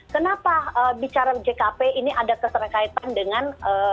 kenapa bicara jkp ini ada keterkaitan dengan